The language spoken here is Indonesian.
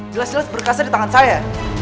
jelas jelas berkasnya di tangan saya